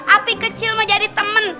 api kecil mau jadi teman